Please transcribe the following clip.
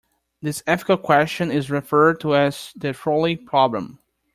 This ethical question is referred to as the trolley problem.